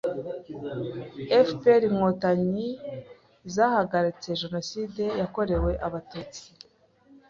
FPR- INKOTANYI zahagaritse jenoside yakorewe abatutsi,